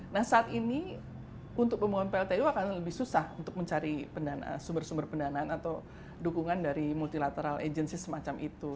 nah saat ini untuk pembangunan pltu akan lebih susah untuk mencari sumber sumber pendanaan atau dukungan dari multilateral agency semacam itu